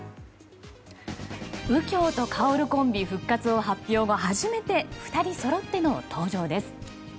右京と薫コンビ復活を発表後初めて２人そろっての登場です。